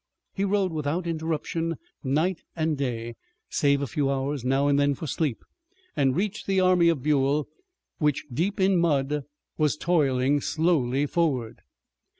He rode without interruption night and day, save a few hours now and then for sleep, and reached the army of Buell which deep in mud was toiling slowly forward.